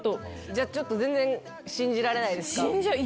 じゃあ全然信じられないですか？